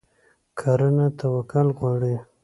کرنه توکل غواړي.